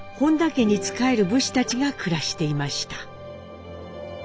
家に仕える武士たちが暮らしていました。